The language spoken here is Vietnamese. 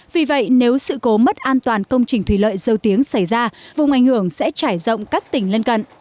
vì vậy nếu sự cố mất an toàn công trình thủy lợi dâu tiếng xảy ra vùng ảnh hưởng sẽ trải rộng các tỉnh lân cận